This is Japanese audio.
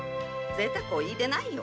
ぜいたくお言いでないよ。